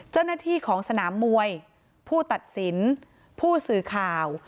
เจ้าหน้าที่ของสนามมวยผู้ตัดสินผู้สื่อข่าว